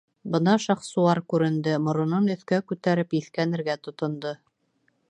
Бына Шахсуар күренде, моронон өҫкә күтәреп, еҫкәнергә тотондо.